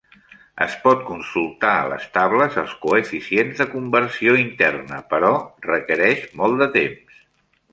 Es pot consultar a les tables els coeficients de conversió interna, però requereix molt de temps.